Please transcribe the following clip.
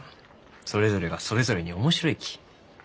それぞれがそれぞれに面白いき。